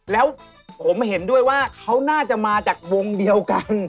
แล้วผมเห็นด้วยว่าเขาน่าจะมาจากวงเดียวกัน